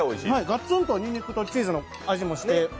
ガツンとにんにくとチーズの味もして。